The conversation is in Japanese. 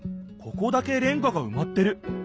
ここだけレンガがうまってる。